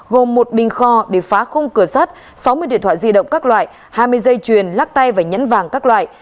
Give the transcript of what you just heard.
gồm một bình kho để phá khung cửa sắt sáu mươi điện thoại di động các loại hai mươi dây chuyền lắc tay và nhẫn vàng các loại